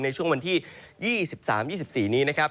ในช่วงวันที่๒๓๒๔นี้นะครับ